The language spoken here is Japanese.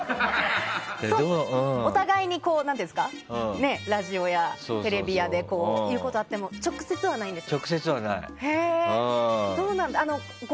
お互いに、ラジオやテレビやで言うことがあっても直接はないんですね。